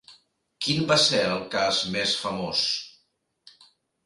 Quin va ser el cas més famós?